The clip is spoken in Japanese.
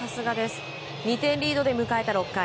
２点リードで迎えた６回。